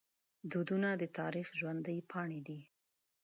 دودونه د تاریخ ژوندي پاڼې دي.